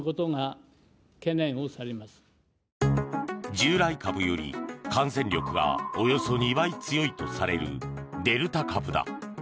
従来株より感染力がおよそ２倍強いとされるデルタ株だ。